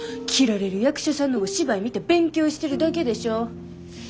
斬られる役者さんのお芝居見て勉強してるだけでしょ。